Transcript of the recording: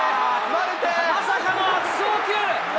まさかの悪送球。